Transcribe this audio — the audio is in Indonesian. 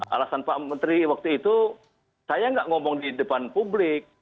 alasan pak menteri waktu itu saya nggak ngomong di depan publik